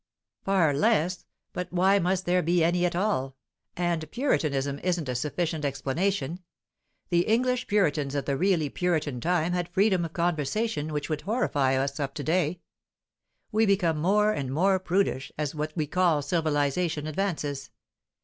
"Far less; but why must there be any at all? And Puritanism isn't a sufficient explanation. The English Puritans of the really Puritan time had freedom of conversation which would horrify us of to day. We become more and more prudish as what we call civilization advances.